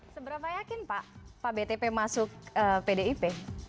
seberapa yakin pak pak btp masuk pdip